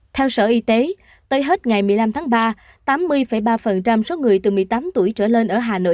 theo sở y tế tới hết ngày một mươi năm tháng ba tám mươi ba số người từ một mươi tám tuổi trở lên ở hà nội